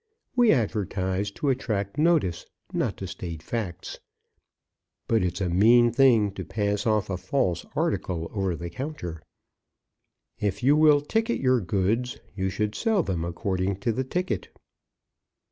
We advertise to attract notice, not to state facts. But it's a mean thing to pass off a false article over the counter. If you will ticket your goods, you should sell them according to the ticket."